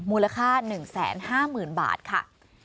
มูลค่า๑๕๐๐๐บาทค่ะ